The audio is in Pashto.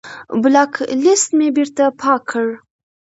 بلاک لست مې بېرته پاک کړ.